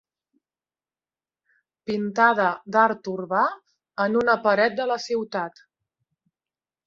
Pintada d'art urbà en una paret de la ciutat.